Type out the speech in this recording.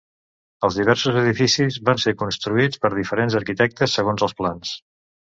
Els diversos edificis van ser construïts per diferents arquitectes segons els plans.